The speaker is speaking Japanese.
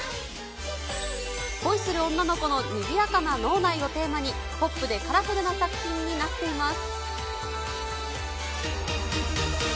恋する女の子のにぎやかな脳内をテーマに、ポップでカラフルな作品になっています。